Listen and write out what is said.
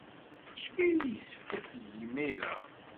D acu ay yessefk ad t-geɣ imir-a?